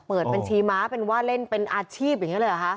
เปิดบัญชีม้าเป็นว่าเล่นเป็นอาชีพอย่างนี้เลยเหรอคะ